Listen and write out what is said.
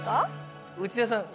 内田さん